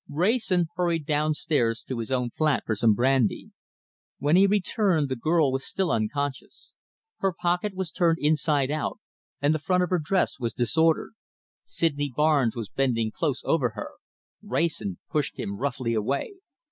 Wrayson hurried downstairs to his own flat for some brandy. When he returned the girl was still unconscious. Her pocket was turned inside out and the front of her dress was disordered. Sydney Barnes was bending close over her. Wrayson pushed him roughly away.